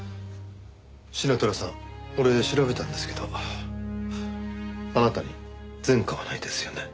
シナトラさん俺調べたんですけどあなたに前科はないですよね？